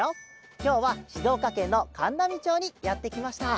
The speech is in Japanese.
きょうはしずおかけんのかんなみちょうにやってきました。